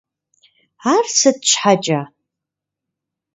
Ар сыт щхьэкӀэ?